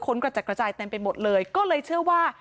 กระจัดกระจายเต็มไปหมดเลยก็เลยเชื่อว่า